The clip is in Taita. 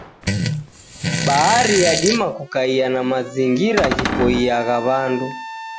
Bhari yadima kukaia na mazingira ghipoiagha wandu.